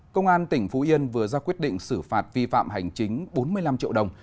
công an tỉnh phú yên vừa ra quyết định xử phạt vi phạm hành chính bốn mươi năm triệu đồng